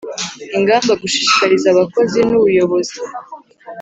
Ingamba gushishikariza abakozi n ubuyobozi